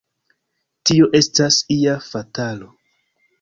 Tio estas ia fatalo!